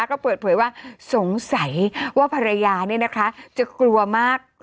ก็เปิดเผยว่าสงสัยว่าภรรยาจะกลัวมาก